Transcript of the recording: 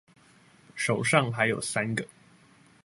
手上還有三個